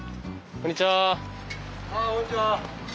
こんにちは。